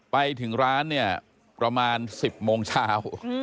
ไปถึงร้านประมาณ๑๐โมงเช้า